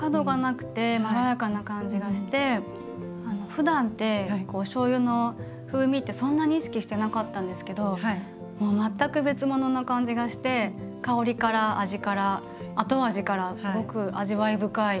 ふだんっておしょうゆの風味ってそんなに意識してなかったんですけどもう全く別ものな感じがして香りから味から後味からすごく味わい深い。